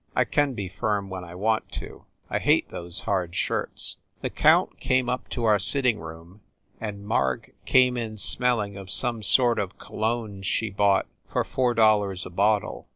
I can be firm when I want to! I hate those hard shirts. The count came up to our sitting room and Marg came in smelling of some kind of cologne she bought for four dollars a bottle.